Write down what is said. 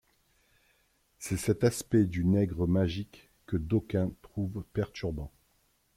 C'est cet aspect du nègre magique que d'aucuns trouvent perturbant.